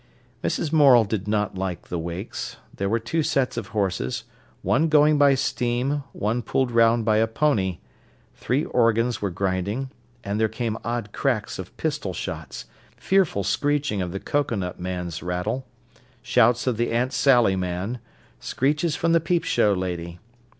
Mrs. Morel did not like the wakes. There were two sets of horses, one going by steam, one pulled round by a pony; three organs were grinding, and there came odd cracks of pistol shots, fearful screeching of the cocoanut man's rattle, shouts of the Aunt Sally man, screeches from the peep show lady.